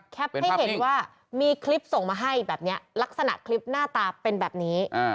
ให้เห็นว่ามีคลิปส่งมาให้แบบนี้ลักษณะคลิปหน้าตาเป็นแบบนี้